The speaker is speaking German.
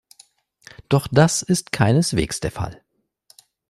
Doch das ist keineswegs der Fall.